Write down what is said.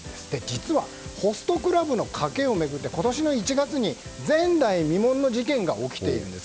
実はホストクラブのカケを巡って今年の１月に前代未聞の事件が起きているんです。